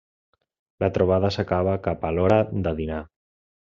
La trobada s'acaba cap a l'hora de dinar.